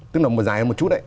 tức là dài hơn một chút